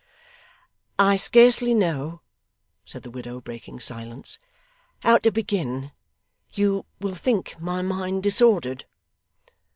'I scarcely know,' said the widow, breaking silence, 'how to begin. You will think my mind disordered.